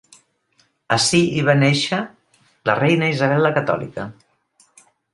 Ací hi va néixer la reina Isabel la Catòlica.